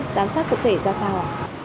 giám sát cơ thể ra sao